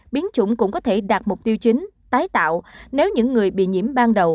biến chủng cũng có thể đạt mục tiêu chính tái tạo nếu những người bị nhiễm ban đầu